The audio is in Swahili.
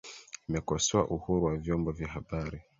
imekosoa uhuru wa vyombo vya habari